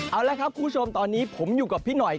เอาละครับคุณผู้ชมตอนนี้ผมอยู่กับพี่หน่อย